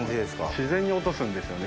自然に落とすんですよね